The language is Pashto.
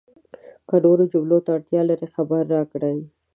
که نورو جملو ته اړتیا لرئ، خبر راکړئ!